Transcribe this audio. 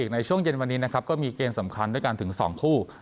ในช่วงเย็นวันนี้นะครับก็มีเกมสำคัญด้วยกันถึง๒คู่